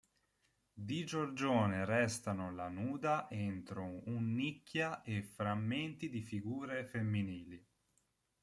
Di Giorgione restano la "Nuda" entro un nicchia e frammenti di figure femminili.